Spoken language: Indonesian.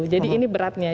jadi ini beratnya